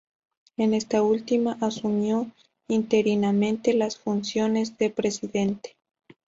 En esta última asumió interinamente las funciones de presidente.